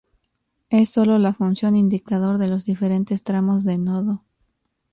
Es sólo la función indicador de los diferentes tramos de nodo.